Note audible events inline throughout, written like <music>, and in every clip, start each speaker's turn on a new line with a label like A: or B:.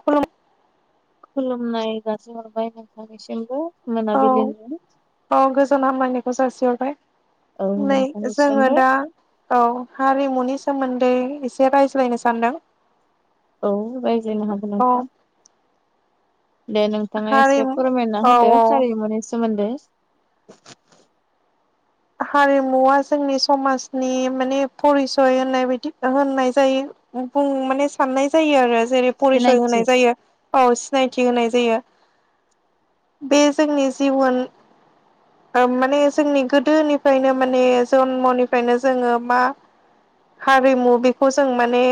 A: खुलु
B: खुलुमनाय जासिहरबाय नोंथांनिसिमबो
A: औ
B: मोनाबिलिनि।
A: औ गोजोन हामलायनायखौ जासिहरबाय
B: औ
A: नै जोङो
B: नोंथांनिसिमबो
A: दा औ हारिमुनि सोमोन्दै एसे रायज्लायनो सानदों।
B: औ रायज्लायनो हागोन
A: औ
B: नोंथा। दे नोंथाङा एसे
A: हारिमु
B: फोरमायना
A: औ
B: होदो
A: औ
B: हारिमुनि सोमोन्दै।
A: हारिमुआ जोंनि समाजनि माने परिसय होननाय बायदि होननाय जायो। बुं माने साननाय जायो आरो जेरै परिसय
B: सिनायथि
A: होनाय जायो औ सिनायथि होनाय जायो। बे जोंनि जिबन ओ माने जोंनि गो दोनिफ्रायनो माने जन्मनिफ्रायनो जोङो मा हारिमु बेखौ जों माने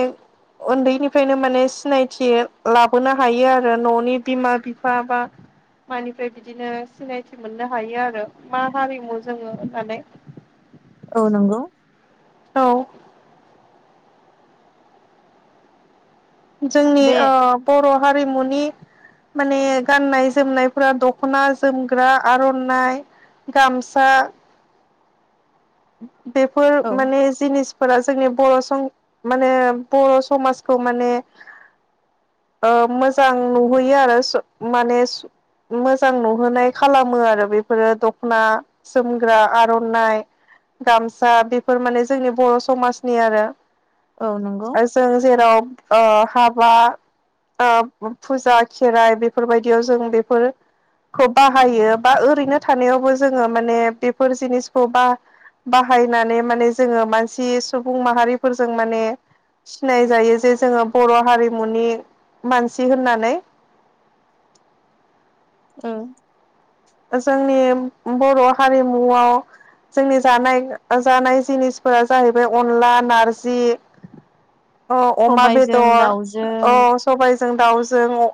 A: उन्दैनिफ्रायनो माने सिनायथि लाबोनो हायो आरो न'नि बिमा बिफा बा मानिफ्राय बिदिनो सिनायथि मोननो हायो आरो मा हारिमु जोङो होननानै।
B: औ नंगौ।
A: औ जोंनि
B: बे
A: ओ बर' हारिमुनि माने गाननाय जोमनायफोरा दख'ना जोमग्रा आर'नाइ गामसा बेफोर
B: औ
A: माने जिनिस फोरा जोंनि बर' माने बर' समाजखौ माने ओ मोजां नुहैयो आरो स माने मोजां नुहोनाय खालामो आरो बेफोरो दख'ना जोमग्रा आर'नाइ गामसा बेफोर माने जोंनि बर' समाजनि आरो।
B: औ नंगौ।
A: जों जेराव ओ हाबा ओ फुजा खेराइ बेफोरबायदियाव जों बेफोर खौ बाहायो बा ओरैनो थानायावबो जोङो माने बेफोर जिनिसखौ बा बाहायनानै माने जोङो मानसि सुबुं माहारिफोरजों माने सिनाय जायो जे जोङो बर' हारिमुनि मानसि होननानै।
B: औ।
A: जोंनि बर' हारिमुआव जोंनि जानाय जानाय जिनिसफोरा जाहैबाय अनला नारजि औ अमा
B: सबायजों
A: बेदर
B: दाउजों
A: औ सबायाइजों दाउजों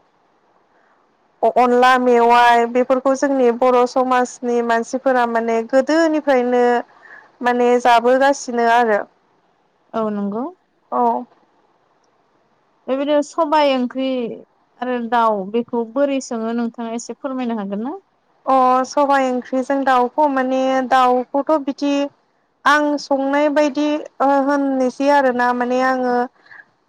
A: अनला मेवाइ बेफोरखौ जोंनि बर' समाजनि मानसिफोरा माने गोदोनि फ्रायनो माने जाबोगासिनो आरो
B: औ नंगौ।
A: औ।
B: बेबायदिनो सबाय ओंख्रि। आरो दाउ बेखौ बोरै संङो नोंथाङा एसे फोरमायनो हागोन ना?
A: अ सबाइ ओंख्रिजों दाउखौ माने दाउखौथ' बिदि आं संनाय बायदि होननोसै आरोना माने आंङो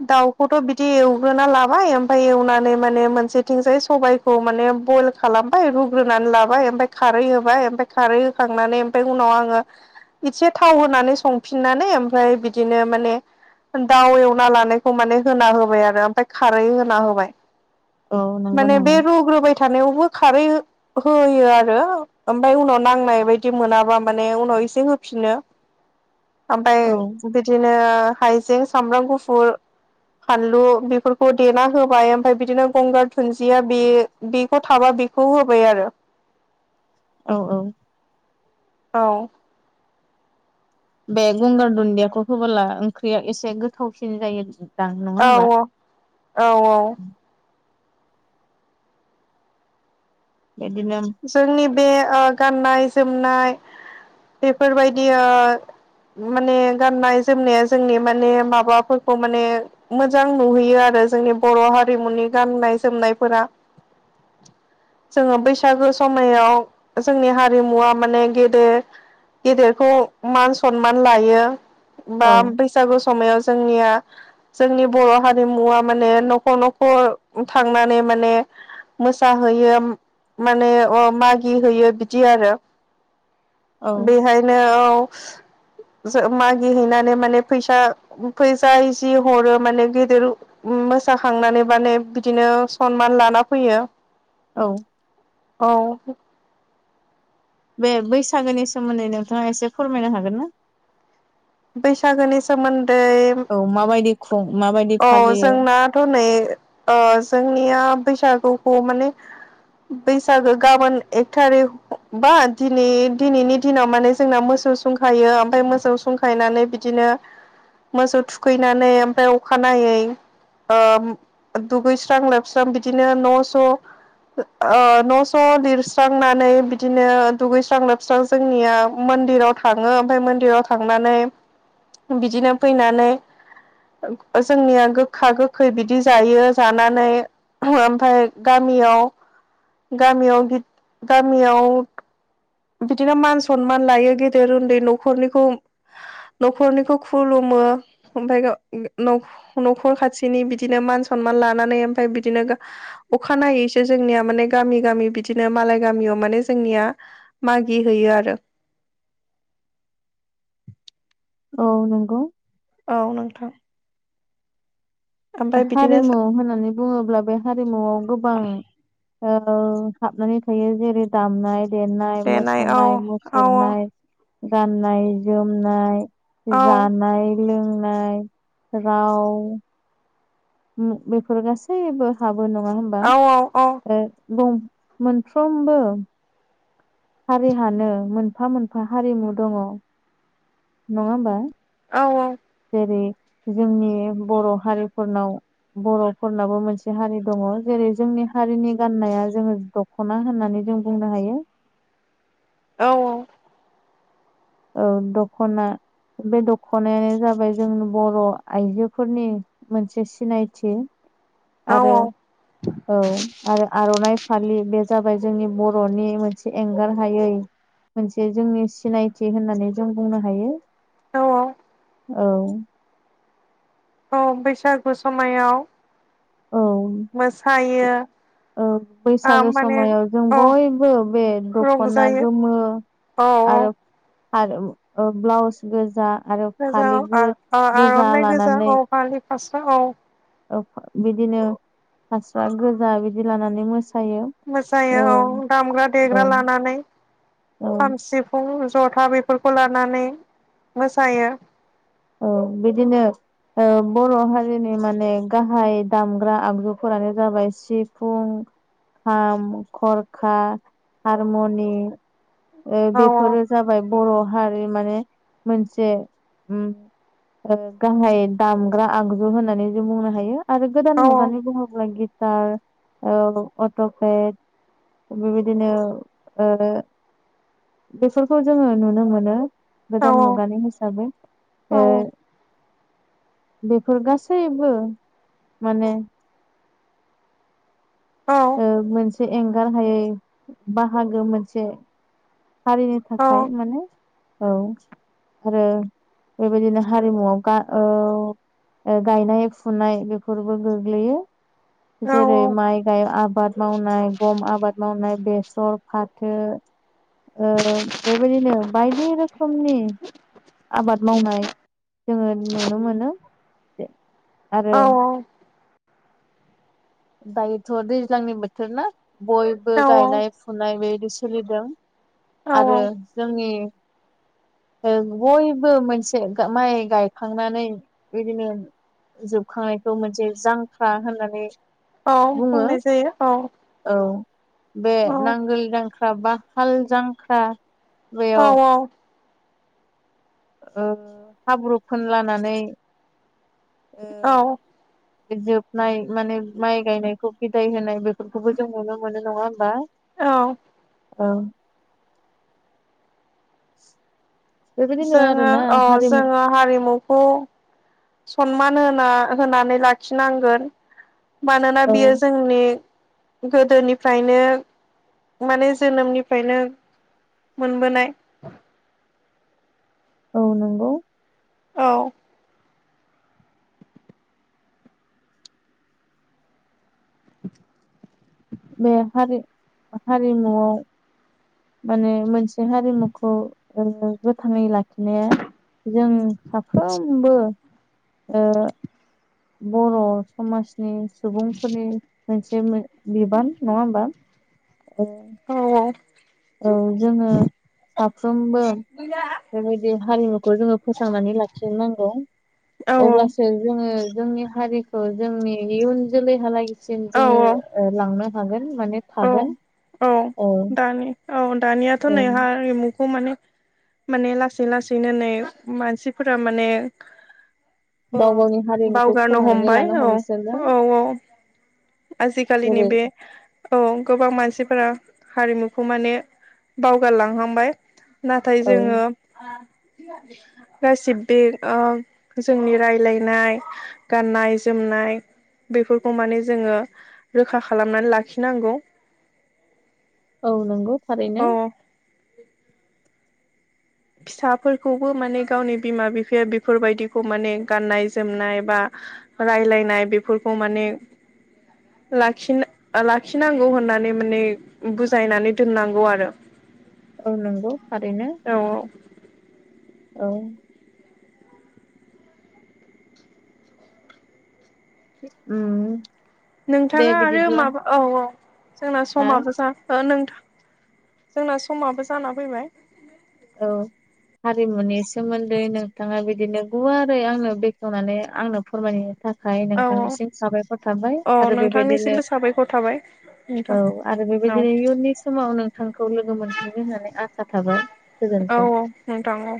A: दाउखौथ' बिदि एवग्रोना लाबाय ओमफ्राय एवनानै माने मोनसेथिंजाय सबाय खौ माने बयल खालामबाय ग्रोनानै लाबाय ओमफ्राय खारै होबाय ओमफ्राय खारै होखांनानै ओमफ्राय उनाव आंङो इसे थाव होनानै संफिननानै ओमफ्राय बिदिनो माने दाउ एवना लानायखौ माने होना होबाय आरो ओमफ्राय खारै होना होबाय।
B: औ नंगौ
A: माने बे
B: नामा
A: रुग्रोबाय थानायावबो खारै होयो आरो ओमफ्राय उनाव नांनाय बायदि मोनाबा माने उनाव एसे होफिनो। ओमफ्राय
B: औ
A: बिदिनो हायजें सामब्राम गुफुर फानलु बेफोरखौ देना होबाय ओमफ्राय बिदिनो गंगार दुुनदिया बे बेखौ थाबा बेखौ होबाय आरो।
B: औ औ।
A: औ।
B: बे गंगार दुन्दियाखौ होबोला ओंख्रिया एसे गोथावसिन जायो। दां नङा
A: औ
B: होमबा
A: औ औ औ।
B: बेदिनो
A: जोंनि बे ओ गाननाय जोमनाय बेफोरबायदि ओ माने गाननाय जोमनाया जोंनि माने माबाफोरखौ माने मोजां नुहोयो आरो जोंनि बर' हारिमुनि गाननाय जोमनायफोरा। जोंङो बैसागो समायाव जोंनि हारिमुवा माने गेदे गेदेरखौ मान सनमान लायो
B: औ
A: बा बैसागु समायाव जोंनिया जोंनि बर' हारिमुवा माने न'खर न'खर थांनानै माने मोसाहोयो माने मागि होयो बिदि आरो।
B: औ
A: बेहायनो औ। ज मागि हैैनानै माने फैसा फैसा जि हरो माने गेदेर मोसाखांनानै माने बिदिनो सनमान लाना फैयो।
B: औ।
A: औ।
B: बे बैसागोनि सोमोन्दै नोंथाङा एसे फोरमायनो हागोन ना?
A: बैसागोनि सोमोन्दै
B: औ माबायदि <unintelligible> माबायदि
A: औ
B: फालियो?
A: जोंनाथ' नै ओ जोंनिया बैसागुखौ माने बैसागो गाबोन एकथारिक बा दिनै दिनैनि दिनाव माने जोंना मोसौ सुंखायो ओमफ्राय मोसौ संखायनानै बिदिनो मोसौ थुखैनानै ओमफ्राय अखानायै ओ दुगैस्रां लोबस्रां बिदिनो न'स' ओ न' स' लिरस्रांनानै बिदिनो दुगैस्रां लोबस्रां जोंनिया मन्दिराव थाङो ओमफ्राय मन्दिराव थांनानै बिदिनो फैनानै जोंनिया गोखा गोखै बिदि जायो जानानै ओमफ्राय गामियाव गामियाव गामियाव बिदिनो मान सनमान लायो गेदेर उन्दै न'खरनिखौ न'खरनिखौ खुलुमो ओमफाय न'खर खाथिनि बिदिनो मान सनमान लानानै ओमफ्राय बिदिनो अखानायनायैसो जोंनिया माने गामि गामि बिदिनो मालाय गामियाव माने जोंनिया मागि हैैयो आरो।
B: औ नंगौ
A: औ नोंथां ओमफ्राय बिदिनो
B: हारिमु होननानै बुङोब्ला बे हारिमुआव गोबां ओ हाबनानै थायो जेरै दामनाय देनाय
A: औ
B: 'मोसानाय
A: औ
B: 'मसुरनाय गाननाय जोमनाय
A: औ
B: जानाय लोंनाय राव बेफोर गासैबो हाबो नङा हबा
A: औ औ औ
B: ओ बुं मोनफ्रोमबो हारिहानो मोनफा मोनफा हारिमु दङ नङा होमबा?
A: औ औ
B: जेरै जोंनि बर' हारिफोरनाव बर'फोरनाबो मोनसे हारि दङ जेरै जोंनि हारिनि गाननाया जोङो दख'ना होननानै जों बुंनो हायो।
A: औ औ
B: औ दख'ना बे दख'नायानो जाबाय जों बर' आइजोफोरनि मोनसे सिनायथि आरो
A: औ <inaudible>
B: औ आरो आर'नाइ फालि बे जाबाय जोंनि बर'नि मोनसे एंगार हायै मोनसे जोंनि सिनायथि होननानै जों बुंनो हायो।
A: औ औ
B: औ
A: औ बैसागु समायाव
B: औ
A: मोसायो
B: ओ बैसागो
A: माने
B: समायाव जों
A: औ
B: बयबो बे दख'ना
A: रंजायो
B: गोमो
A: औ औ
B: आरो ओ ब्लाउस गोजा आरो
A: गोजा
B: फालि
A: औ
B: गो-गोजा
A: आर'नाइ गोजा
B: लानानै
A: औ फालि फास्रा औ
B: औ बिदिनो फास्रा गोजा बिदि लानानै मोसायो।
A: मोसायो
B: ओ
A: औ दामग्रा
B: औ
A: देग्रा लानानै
B: औ
A: खाम सि फुं ज'था बेफोरखौ लानानै मोसायो।
B: औ बिदिनो ओ बर' हारिनि माने गाहाय दामग्रा आगजुफोरानो जाबाय सिफुं खाम, खरखा, हारमनि ओ
A: औ
B: बेफोरो जाबाय बर' हारि माने मोनसे उम ओ गाहाय दामग्रा आगजु होननानै जों बुंनो हायो। आरो
A: औ
B: गोदान मुगानि बुङोब्ला गिथार औ अट'पेड बेबायदिनो ओ बेफोरखौ जोङो नुनो मोनो गोदान
A: औ
B: मुगानि हिसाबै। ओ
A: औ
B: बेफोर गासैबो माने
A: औ
B: ओ मोनसे एंगार हायै बाहागो मोनसे। हारिनि
A: औ
B: थाखाय माने औ आरो बेबायदिनो हारिमुआव गा औ ओ गायनाय फुनाय बेफोरबो गोग्लैयो।
A: औ
B: जेरै माइ गायो आबाद मावनाय गम आबाद मावनाय बेसर फाथो ओ बेबायदिनो बायदि रोखोमनि आबाद मावनाय जोङो नुनो मोनो। आरो
A: औ
B: दायोथ' दैज्लांनि बोथोर ना बयबो गायनाय फुनाय बेबायदि सोलिदों।
A: औ औ
B: आरो जोंनि ओ बयबो मोनसे गा माइ गायखांनानै बिदिनो जोबखांनायखौ मोनसे जांख्रा होननानै
A: औ
B: बुंङो
A: बुंनाय जायो औ
B: औ बे
A: औ
B: नांगोल जां ख्रा बा हाल जांख्रा
A: औ
B: बेयाव
A: औ
B: ओ हाब्रु फोनलानानै ओ
A: औ
B: जोबनाय माने माइ गायनायखौ बिदाय होनाय बेफोरखौबो जों नुनो मोनो नङा होमबा।
A: औ
B: औ बेबायदिनो
A: जोङो
B: आरोना
A: औ
B: हारिमु
A: जोंङो हारिमुखौ सनमान होना होनानै लाखिनांगोन। मानोना
B: औ
A: बियो जोंनि गोदोनिफ्रायनो माने जोनोमनिफ्रायनो मोनबोनाय।
B: औ नोंगौ
A: औ <unintelligible>
B: बे हारि-हारिमुआव माने मोनसे हारिमुखौ ओ गोथाङै लाखिनाया जों साफ्रोमबो ओ बर समाजनि सुबुंफोरनि मोनसे मोन बिबान नंङा होमबा। औ
A: औ औ
B: औ जोङो साफ्रोमबो बेबायदि हारिमुखौ जोंङो फोसांनानै लाखिनांगौ।
A: औ
B: अब्लासो जोङो जोंनि हारिखौ जोंनि इयुन जोलैहालागसिम जोंङो
A: औ
B: लांनो हागोन माने थागोन औ
A: अ दानियाथ'
B: औ
A: नै हारिमुखौ माने माने लासै लासैनो नै मानसिफोरा माने औ
B: गाव गावनि हारिमुखौ
A: बावगारनो
B: खोमानानै
A: हमबाय
B: लानो
A: औ
B: हमसोनो
A: औ औ आजिखालि नि
B: जेरै
A: बेे औ गोबां मानसिफोरा हारिमुखौ माने बावगारलांहांबाय नाथाय
B: औ
A: जोंङो गासि बे जोंनि राय्लायनाय गाननाय जोमनाय बेफोरखौ माने जोंङो रोखा खालामनानै लाखि नांगौ
B: औ नंगौ
A: अ
B: थारैनो
A: फिसाफोरखौबो माने गावनि बिमा बिफाया बेफोरबायदिखौ माने गाननाय जोमनाय बा रायलायनाय बेफोरखौ माने लाखिनो लाखिनांगौ होननानै माने बुजायनानै दोननांगौ आरो
B: औ नंगौ थारैनो
A: औ
B: औ उम दे
A: नोंथाङा आरो
B: बिदिब्ला
A: माबा औ औ जोंना
B: हा
A: समाबो जा ओ नोंथां जोंना समाबो जाना फैबाय
B: औ हारिमुनि सोमोन्दै नोंथाङा बिदिनो गुवारै आंनो बेखेवनानै आंनो फोरमायनो था खाय
A: औ औ
B: नोंथांनिसिम साबायफोरर थाबाय।
A: औ
B: आरो बेबायदिनो
A: नोंथांनिसिमबो <inaudible>
B: औ आरो
A: औ
B: बेबायदिनो इयुननि समाव नोंथांखौ लोगो मोनफिनगोन होननानै आसा थाबाय।
A: औ
B: गोजोन्थों।
A: औ नोंथां औ।